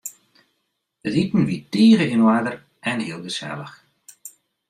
It iten wie tige yn oarder en hiel gesellich.